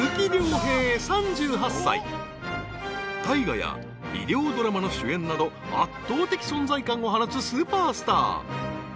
［大河や医療ドラマの主演など圧倒的存在感を放つスーパースター］